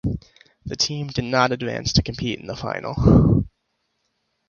The team did not advance to compete in the final.